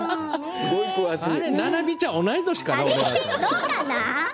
ななみちゃん同い年かな？